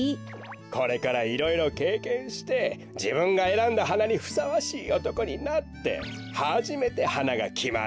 これからいろいろけいけんしてじぶんがえらんだはなにふさわしいおとこになってはじめてはながきまるんだよ。